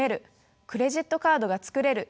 クレジットカードが作れる。